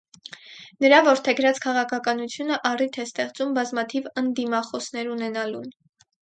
Նրա որդեգրած քաղաքականությունը առիթ է ստեղծում բազմաթիվ ընդդիմախոսներ ունենալուն։